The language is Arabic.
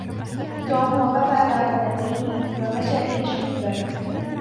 توم وَقَفَ على قَدَمَيهِ و مَشى إلى الشُبَّاكِ